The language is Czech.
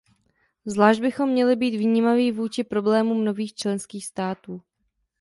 Zvlášť bychom měli být vnímaví vůči problémům nových členských států.